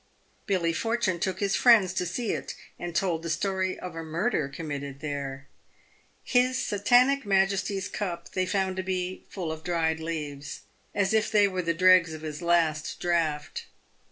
Billy Fortune took his friends to see it, and told the story of a murder committed there. His Satanic Majesty's cup they found to be full of dried leaves, as if they were the dregs of his last draught.